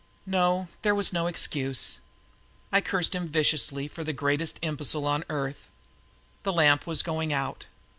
No, there was no excuse. I cursed him viciously for the greatest imbecile on earth. The lamp was going out.